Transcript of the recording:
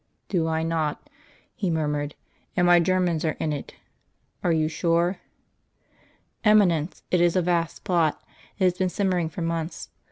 "Do I not?" he murmured. "And my Germans are in it? Are you sure?" "Eminence, it is a vast plot. It has been simmering for months.